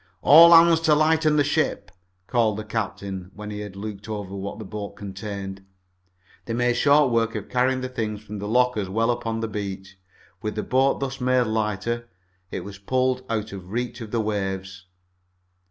"All hands to lighten ship!" called the captain, when he had looked over what the boat contained. They made short work of carrying the things from the lockers well up on the beach. With the boat thus made lighter, it was pulled out of reach of the waves.